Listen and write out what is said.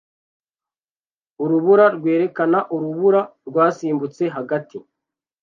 Urubura rwerekana urubura rwasimbutse hagati